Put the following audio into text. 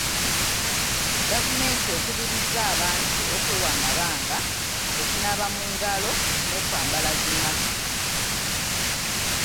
Gavumenti ekubirizza abantu okwewa amabanga, okunaaba mu ngalo n'okwambala zi masiki.